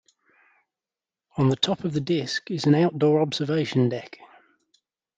On the top of the disk is an outdoor observation deck.